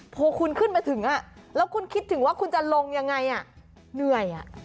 พอคุณขึ้นมาถึงแล้วคุณคิดถึงว่าคุณจะลงยังไงเหนื่อย